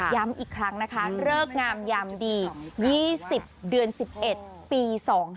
ย้ำอีกครั้งนะคะเลิกงามยามดี๒๐เดือน๑๑ปี๒๕๖